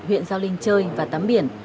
huyện giao linh chơi và tắm biển